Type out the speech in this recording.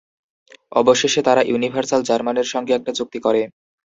অবশেষে তারা ইউনিভার্সাল জার্মানির সঙ্গে একটা চুক্তি করে।